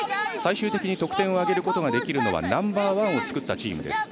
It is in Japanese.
最終的に得点を挙げることができるのはナンバーワンを作ったチーム。